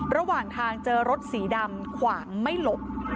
ระหว่างทางเจอรถสีดำขวางไม่หลบ